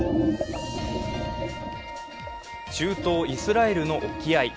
中東イスラエルの沖合。